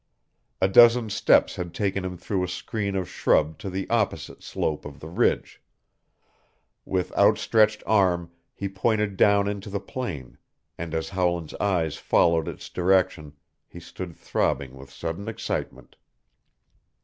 A dozen steps had taken him through a screen of shrub to the opposite slope of the ridge. With outstretched arm he pointed down into the plain, and as Howland's eyes followed its direction he stood throbbing with sudden excitement.